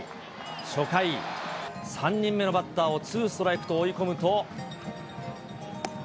初回、３人目のバッターをツーストライクと追い込むと。